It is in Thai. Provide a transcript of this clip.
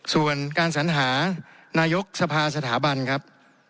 ส่วนการสัญหานายกสภาสถาบันครับ